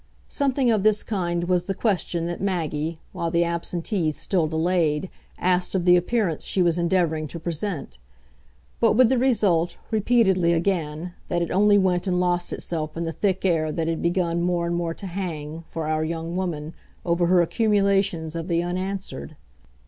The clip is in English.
Something of this kind was the question that Maggie, while the absentees still delayed, asked of the appearance she was endeavouring to present; but with the result, repeatedly again, that it only went and lost itself in the thick air that had begun more and more to hang, for our young woman, over her accumulations of the unanswered.